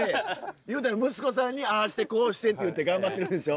いうたら息子さんにああしてこうしてっていって頑張ってるんでしょ？